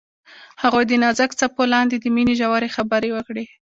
هغوی د نازک څپو لاندې د مینې ژورې خبرې وکړې.